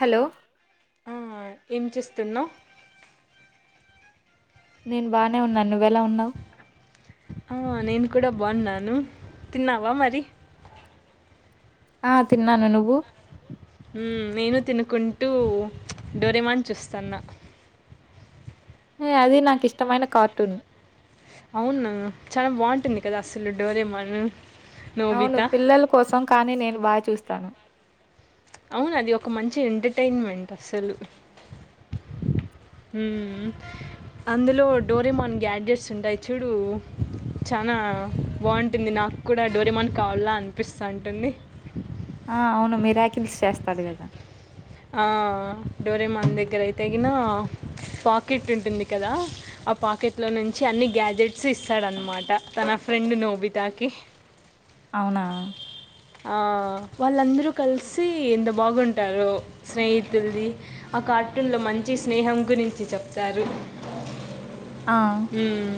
Hello అ ఏం చేస్తున్నావు నేను బానే ఉన్నాను నువ్వెలా ఉన్నావ్ ఆ నేను కూడా బాగున్నాను తిన్నావా మరి ఆ తిన్నాను నువ్వు నేను తినుకుంటూ డోరెమాన్ చూస్తాన్న అది నాకు ఇష్టమైన కార్టూన్ అవును చా బాగుంటుంది కదా అసలు డోరెమాన్ అవును పిల్లల కోసం కానీ నేను బాగా చూస్తాను అవును అది ఒక మంచి ఎంటర్టైన్మెంట్ అసలు, మ్ అందులో డోరెమాన్ గ్యాడ్జెట్స్ ఉంటాయి చూడు, చాలా బాగుంటుంది నాకు కూడా డోరేమాన్ కావాల అనిపిస్త ఉంటుంది. ఆ అవును మీర్యాకిల్స్ చేస్తాడు కదా ఆ డోరేమాన్ దగ్గర అయితేగిన, పాకెట్ ఉంటుంది కదా, ఆ పాకెట్లో నుంచి అన్ని గ్యాజెట్స్ ఇస్తాడన్నమాట తన ఫ్రెండ్ నోబితాకి అవునా ఆ వాళ్ళందరూ కలిసి ఎంత బాగుంటారో, స్నేహితుల్ది ఆ కార్టూన్లో మంచి స్నేహం గురించి చెప్తారు ఆ మ్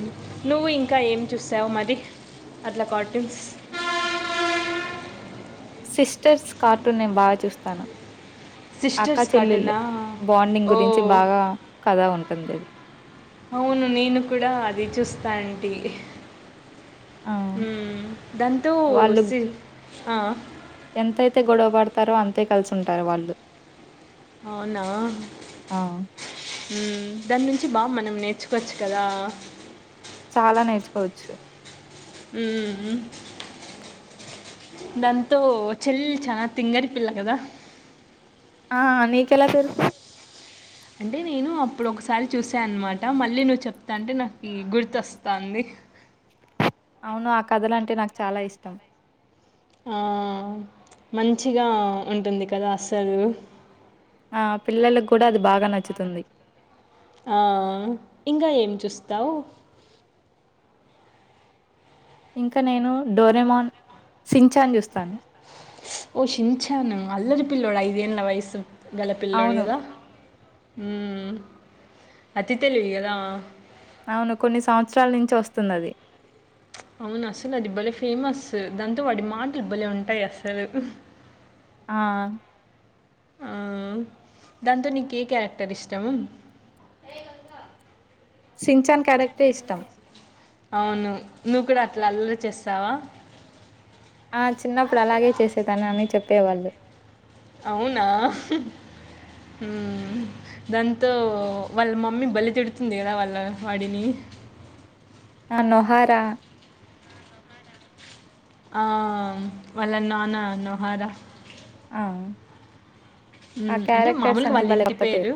నువ్వు ఇంకా ఏం చూసావు మరి అట్లా కార్ట్యూన్స్ సిస్టర్స్ కార్టూన్ నేను బాగా చూస్తాను అక్కా సిస్టర్స్ చెల్లెళ్ల్ కార్టూనా బాండింగ్ ఓ గురించి బాగా కథ ఉంటుంది అది అవును నేను కూడా అది చూస్తా అడి ఆ దాంతో వాళ్ళు సిల్ ఆ ఎంతైతే గొడవ పడతారో అంతే కలిసుంటారు వాళ్ళు అవునా ఆ హమ్ దాని నుంచి బాగా మనం నేర్చుకోవచ్చు కదా చాలా నేర్చుకోవచ్చు ఉ దాంతో చెల్లి చాలా తింగరి పిల్ల కదా ఆ నీకెలా పెరుకు అంటే నేను అప్పుడు ఒకసారి చూసానునమాట మళ్ళీ నువ్వు చెప్తాంటే నాకు గుర్తొస్తుాంది అవును ఆ కథలు అంటే నాకు చాలా ఇష్టం ఆ మంచిగా ఉంటుంది కదా అస్సలు ఆ పిల్లలలకు కూడా అది బాగా నచ్చుతుంది ఆ ఇంకా ఏం చూస్తావు ఇంకా నేను డోరెమాన్ సించాన్ చూస్తాను ఓ సీన్ షాన్ ఆ అల్లరి పిలోడు ఐదుేళ్ల వయసు గల పిల్లోడు అవును. కథ మ్మ్ అతి తెలివికదా అవును కొన్ని సంవత్సరాల నుంచి వస్తుంది అది అవును అసలు అది బలే ఫేమస్ దాంతో వాడి మాటలు బలే ఉంటాయి అసలు ఆ దాతో నిక్ ఏ కారెక్టర్ ఇష్టం సిఛాన్ క్యారెక్టర్ ఏ ఇష్టం అవును నువ్వు కూడా అట్లా అల్లరి చేస్తావా ఆ చిన్నప్పుడు అలాగే చేసేదాని అని చెప్పేవాళ్ళు అవునా మ్మ్ దాంతో వాళ్ళ మమ్మీ బలే తిడుతుంది కదా వాళ్ళ వాడిని ఆ నొహర ఆ వాళ్ళ నాన్న నొహార ఆ ఆ అంటే క్యారెక్టర్స్ మామూలుకి అన్నీ వాళ్ళ భలే ఇంటి కొత్త పేరు పేర్లు.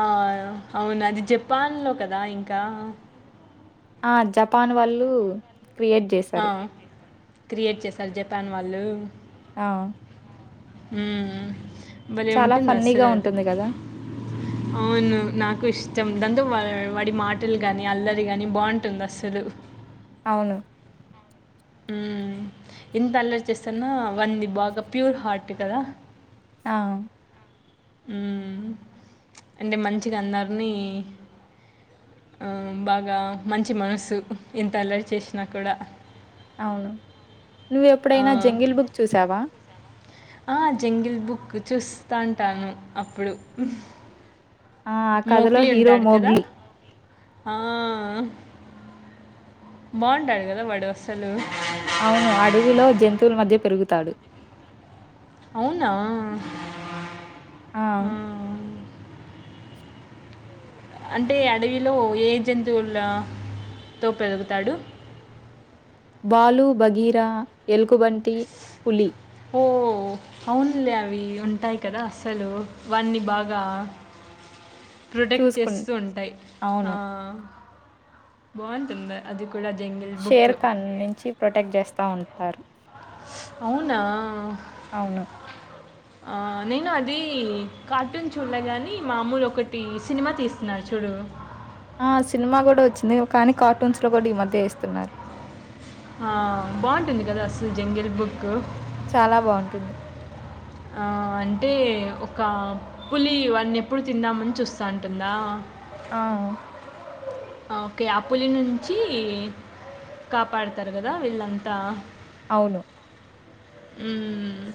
ఆ అవును అది చెప్ తుపాన్లో కదా ఇంకా ఆ జపాన్ వాళ్ళు క్రియేట్ ఆ! చేశారు క్రియేట్ చేశారు జపాన్ వాళ్ళు ఆ మ్మ్ బలే చాలా ఉంటుంది ఫన్నీగా అస్సలు అది ఉంటుంది గదా! అవును నాకు ఇష్టం దండు వడి మాటలు కాని అల్లరి కాని బాగుంటుంది అస్సలు అవును మ్మ్ ఎంత అల్లరి చేేస్తానా వాడిది బాగా ప్యూర్ హార్ట్ కదా ఆ మ్మ్ అంటే మంచిగా అందరిని బాగా మంచి మనసు ఎంత అలరి చేసినా కూడా అవును నువ్వు ఆ! ఎప్పుడైనా జంగిల్ బుక్ చూసావా ఆ జంగిల్ బుక్ చూస్తాంటాను అప్పుడు ఆ ఆ కథలో మోక్లీ హీరో ఉంటాడు కదా! మోగ్లి ఆ బాగుంటాడు కదా వాడు అస్సలు అవును. అడవిలో జంతువుల మధ్య పెరుగుతాడు. అవునా అ ఆ! అంటే అడవిలో ఏ జంతువుల తో పెరుగుతాడు పాలు బగీరా ఎల్కుబంటి పులి ఓ అవున్లే అవి ఉంటాయి కదా అసలు వాన్నీ బాగా ప్రొటెక్ట్ చూసుకున్ చేస్తూ ఉంటాయి ఆ అవును. బావుంటద అదికు షేర్కాన్ నుంచి ప్రొటెక్ట్ చేస్తా ఉం తరు అవునా అవును. ఆ నేను అది కార్టూన్ చూడలే గాని మామూలు ఒకటి సినిమా తీస్తున్నారు చూడు ఆ సినిమా కూడా వచ్చింది కానీ కార్టూన్స్ లో కూడా ఈ మధ్య వేస్తున్నారు ఆ బాగుంటుంది కదా అస్ల్ జంగిల్ బుక్ చాలా బాగుంటుంది ఆ అంటే ఒక పులి వాన్ని ఎప్పుడు తిందామని చూస్తా ఉంటుందా ఆ! ఓకే ఆ పలి నుంచి కాపాడుతారు కదా వీళ్ళంతా అవును ఉమ్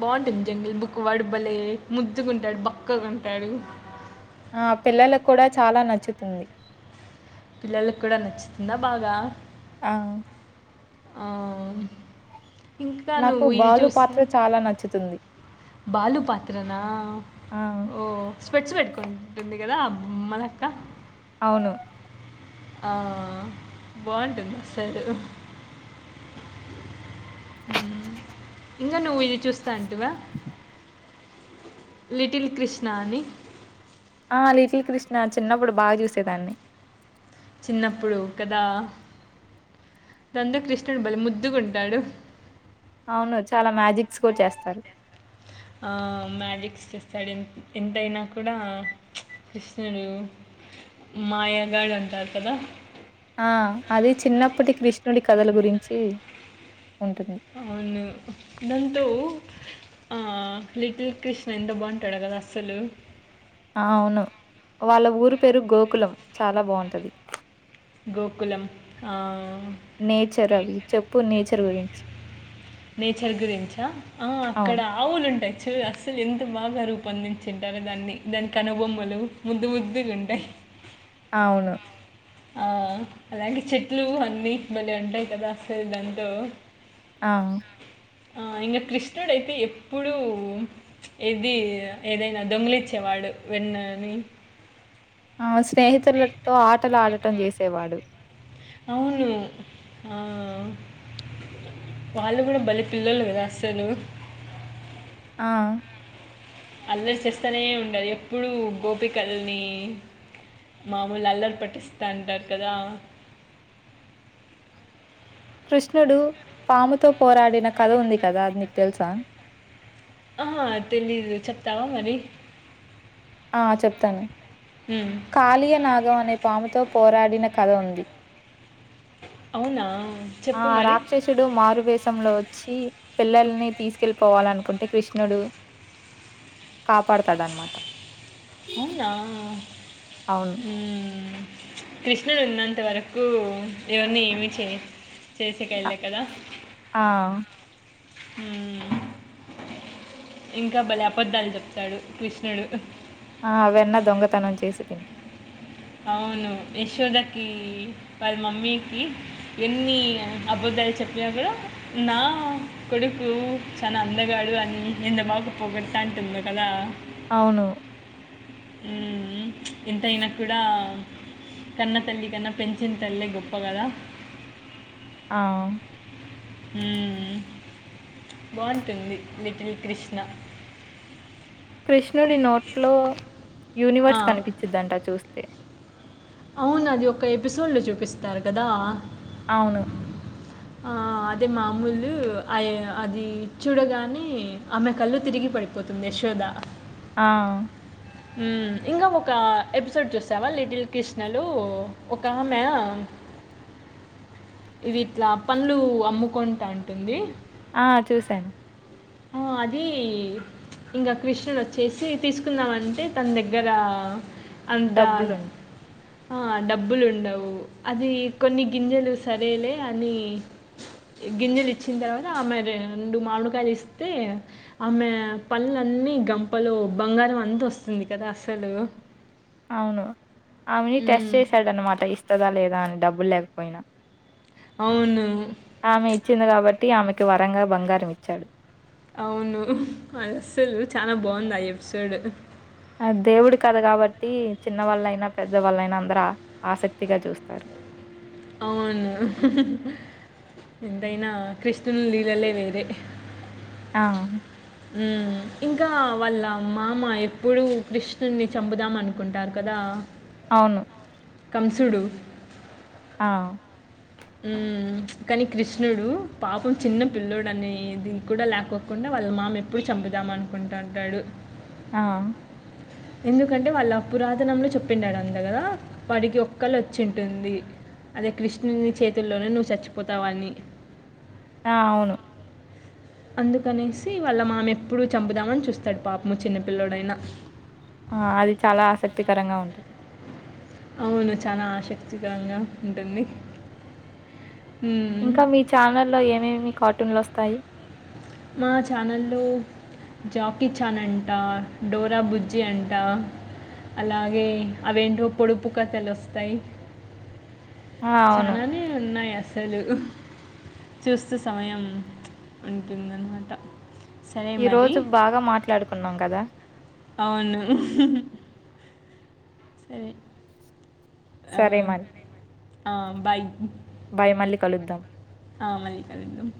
బాగుంటుంది జంగల్ బుక్కు వడుబలే ముద్దుగుంటాడు బక్కగఉంటాడు ఆ పిల్లలకు కూడా చాలా నచ్చుతుంది పిల్లలకి కూడా నచ్చుతుందా బాగా ఆ ఆహ్ నాకు బాలు పాత్ర చాలా నచ్చుతుంది బాలు పాత్రనా ఆ! ఓ స్పెట్స్ పెట్టుకుంటుంది కదా అబ్ ఉమనక్క అవును ఆ బాగుంటుంది సారు ఉం ఇంకా నువ్వు ఇది చూస్తా అంటివా లిటిల్ కృష్ణా అని ఆ లిటిల్ కృష్ణ చిన్నప్పుడు బాగా చూసేదాన్ని చిన్నప్పుడు కదా దంతో కృష్ణుడు బలిముద్దుగుంటాడు అవును చాలా మ్యాజిక్స్ కూడా చేస్తారు ఆహ్ మ్యాజిక్స్ చేస్తాడు ఎ ఎంతైనా కూడా కృష్ణుడు మాయాగాడు అంటారు కదా ఆ అది చిన్నప్పటి కృష్ణుడి కథల గురించి ఉంటుంది. అవును దాంతో ఆ లిటిల్ కృష్ణ ఎంత బాగుంటాడు కదా అసలు అవును వాళ్ళ ఊరు పేరు గోకులం చాలా బాగుంటది గోకులం ఆ, నేచర్ అవి చెప్పు నేచర్ గురించి [inaudible] నేచర్ గురించా ఆ అక్కడ అవును. ఆవులు ఉంటాయి చ్చుర్ అస్సలు ఎంత బాగా రూపొందించింటారుో దాన్ని దాని కనుబొమ్మలు ముద్దు ముద్దుగ్ ఉంటాయి అవును ఆ అలాగే చెట్లు అన్ని బలే ఉంటాయి కదా అసల్ దాంతో ఆ ఇంకా కృష్ణుడుయితే ఎప్పుడూ ఏది ఏదైనా దొంగలిచ్చేవాడు వెన్నని ట్ చేసేవాడు అవును వాళ్ళు కూడా బళ పిల్లలు క రాస్తాను ఆ అల్లరి చేస్తూనే ఉండాలి ఎప్పుడూ గోపికలని మామూలు అల్లరి పట్టిస్తాంటారు కదా కృష్ణుడు పాముతో పోరాడిన కథ ఉంది కదా అనికి తెలుసా ఆ తెలీదు చెప్తావా మరి ఆ చెప్తాను హ్మ్. కాళయ నాగం అనే పాముతో పోరాడిన కథ ఉంది అవునా? చెప్పు ఆ మరి. రాక్షసుడు మారువేశంలో వచ్చి పిల్లల్ని తీసుకెళ్ళిపోవాలనుకుంటే కృష్ణుడు కాపాడుతాడ అనమాట అవునా అవును కృష్ణను విన్నంత వరకు ఎవరిని ఏమి చే చే చ్చ అ కల కదా ఆ! హ్మ్ ఇంకా భలే అబద్ధాలు చెప్తాడు కృష్ణుడు ఆ అవన్న దొంగతనం చేసి తింటాారు అవును యశోదకి వారి మమ్మీకి ఎన్ని అబుతాలు చెప్పినా కూడా నా కొడుకు చాలా అందగాడు అని ఎంతబాకు పోగొడతా అంటుంది కదా అవును ఉ ఉమ్ ఇంత అయన కూడా కన్నా తల్లి కన్నా పెంచిన తల్లే గొప్ప కదా అ బాగుంటుంది లిటిల్ కృష్ణ కృష్ణుడి నోట్లో ఆ, యూనివర్స్ కనిపించిద్దంట చూస్తే అవును అది ఒక ఎపిసోడ్ లో చూపిస్తారు కదా అవును ఆ అదే మామూలు అయ అది చూడగానే ఆమె కళ్ళ తిరిగి పడిపోతుంది యశోద ఆ ఇంకా ఒక ఎపిసోడ్ చూసావా లిటిల్ కృష్ణలు ఒక ఆమె ఇది ఇట్లా పనులు అమ్ముకుంట అంటుంది ఆ చూశాను ఆ అది ఇంకా కృష్ణన్ వచ్చేసి తీసుకుందమంటే తన దగ్గర అంతా డబ్బులున్ డబ్బులు ఉండవు అది కొన్ని గింజలు సరేలే అని గింజలు ఇచ్చిన తర్వాత మరి రెండు మామిలుకాయలు ఇస్త అయితే ఆమె పనులన్నీ గంపలో బంగారం అంత వస్తుంది కదా అసలు అవును ఆమెని టెస్ట్ హ్మ్. చేసాడనమాట ఇస్తదా లేదా అనిది డబ్బులు లేకపోయినా అవును ఆమె ఇచ్చింది కాబట్టి ఆమెకి వరంగా బంగారం ఇచ్చాడు అవును అసలు చాలా బాగుంది ఆ ఎపిసోడ్ ఆ దేవుడు కద కాబట్టి చిన్న వాళ్ళయినా పెద్దవాళ్ళైనా అందర ఆసక్తిగా చూస్తారు అవును ఎంతైనా కృష్ణున్ని లీళ్లలే వేరే ఆ ఉ ఇంకా వాళ్ళ మామ ఎప్పుడుూ కృష్ణుని చంపుదాం అనుకుంటారు కదా అవును కంసుడు ఆ హ్మ్ ప్చ్ కానీ కృష్ణుడు పాపం చిన్న పిల్లోడ్నని దీనికి కూడా లేకోకుండా వాళ్ళ మామ ఎప్పుడు చంపుదామ అనుకుంటుంటాడు. ఆ ఎందుకంటే వాళ్ళ పురాతనంలో చెప్పిండాడంట కదా. వాడికి ఒక్క కళ్ళ వచ్చింటుంది అదే కృష్ణుని చేతుల్లోనే నువ్వు చచ్చిపోతావని. ఆ అవును అందుకనేసి వాళ్ళ మామెప్పుడు చంపుదామని చూస్తాడు పాపము చిన్నపిలోడైనా ఆ అది చాలా ఆసక్తికరంగా ఉంటుంది. అవును చాలా ఆసక్తికరంగా ఉంటుంది. ఇంకా మీ ఛానల్ల్లో ఏమేమి కార్టూన్లు వస్త్ తయి మా ఛానల్లో జాకీ ఛాన్ అంట, డోరా బుజ్జి అంట, అలాగే అవేంటో పొడుపు కథలు వస్తాయి. ఆ! అవును. చానానే ఉన్నాయి అస్ అసలు ఉహ్ చూస్తే సమయం ప్చ్ ఉంటుందన్నమాట. సరే ఈ మరి రోజు బాగా మాట్లాడుకున్నాం కదా. అవును సరే సరే మరీ ఆ బాయ్ బాయ్ మళ్ళీ కలుద్దాం ఆహ్ మళ్ళీ కలుద్దాం